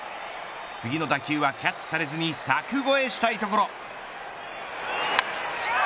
次の打球はキャッチされずに柵越えしたいところ。